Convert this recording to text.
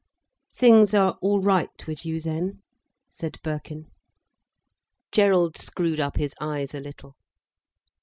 "Things are all right with you then?" said Birkin. Gerald screwed up his eyes a little.